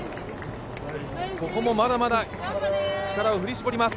ここもまだまだ、力を振り絞ります